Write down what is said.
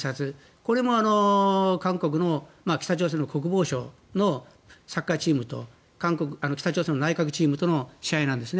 これも韓国と北朝鮮の国防省のサッカーチームと北朝鮮の内閣チームとの試合なんですね。